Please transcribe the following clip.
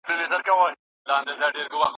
نثر او داستان بايد د ژوند رښتينی انځور وي.